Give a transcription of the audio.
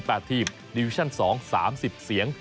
ไทยภาคมิลิกส์๑๘ทีมดิวิชั่น๑๑๘ทีมดิวิชั่น๒๓๐เสียง